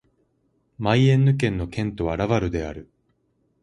マイエンヌ県の県都はラヴァルである